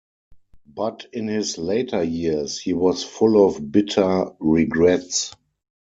But in his later years he was full of bitter regrets.